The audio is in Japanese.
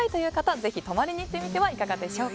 ぜひ、泊まりに行ってみてはいかがでしょうか。